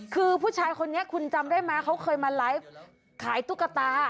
คือผู้ชายคนนี้คุณจำได้ไหมเขาเคยมาไลฟ์ขายตุ๊กตา